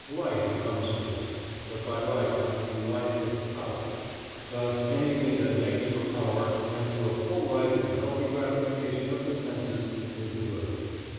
=Life= comes first, but by life I mean life with =Power=. Thus anything that makes for power and for a full life and healthy gratification of the senses is good.